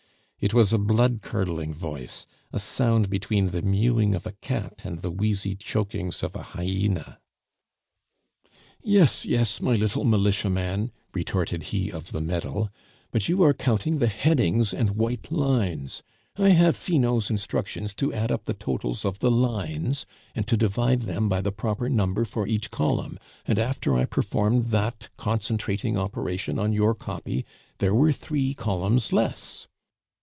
It was a blood curdling voice, a sound between the mewing of a cat and the wheezy chokings of a hyena. "Yes, yes, my little militiaman," retorted he of the medal, "but you are counting the headings and white lines. I have Finot's instructions to add up the totals of the lines, and to divide them by the proper number for each column; and after I performed that concentrating operation on your copy, there were three columns less."